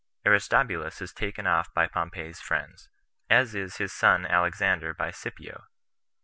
Aristobulus Is Taken Off By Pompey's Friends, As Is His Son Alexander By Scipio.